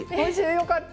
よかった。